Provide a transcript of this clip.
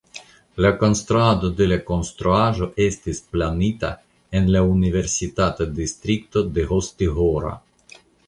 La konstruado de la konstruaĵo estis planita en la universitata distrikto de Hostihora.